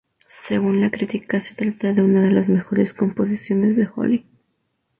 Según la crítica se trata de una de las mejores composiciones de Holly.